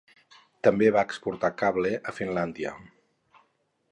També va exportar cable a Finlàndia.